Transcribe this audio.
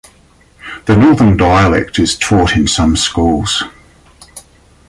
The northern dialect is taught in some schools.